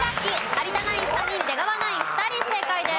有田ナイン３人出川ナイン２人正解です。